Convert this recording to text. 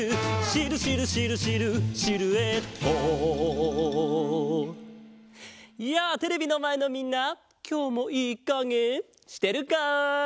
「シルシルシルシルシルエット」やあテレビのまえのみんなきょうもいいかげしてるか？